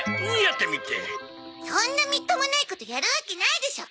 そんなみっともないことやるわけないでしょ。